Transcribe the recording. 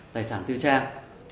tài sản tư trang